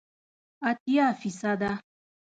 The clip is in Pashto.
اتیا فیصده